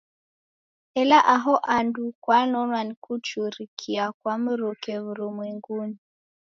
Ela aho andu kwanonwa ni kuchurikia kwa mruke w'urumwengunyi.